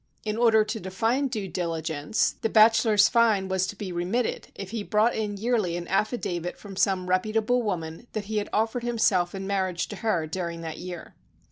In order to define due diligence" the bachelor's fine was to be remitted if he brought in yearly an affidavit Trom some rep utable woman that he had offered himself in marriage to her during that year.